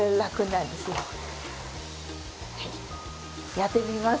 やってみます？